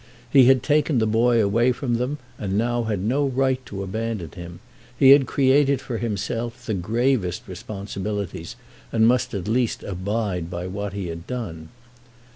He had taken the boy away from them and now had no right to abandon him. He had created for himself the gravest responsibilities and must at least abide by what he had done.